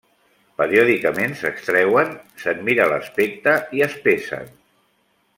Periòdicament s'extreuen, se'n mira l'aspecte i es pesen.